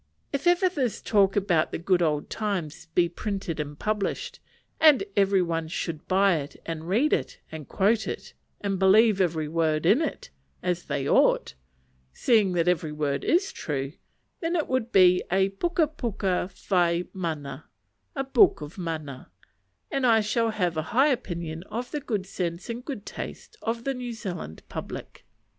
If ever this talk about the good old times be printed and published, and every one should buy it, and read it, and quote it, and believe every word in it as they ought, seeing that every word is true then it will be a puka puka whai mana, a book of mana; and I shall have a high opinion of the good sense and good taste of the New Zealand public.